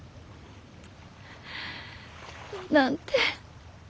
なんて